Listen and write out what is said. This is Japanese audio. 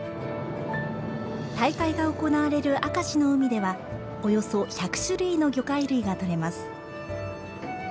大会が行われる明石の海ではおよそ１００種類の魚介類がとれます。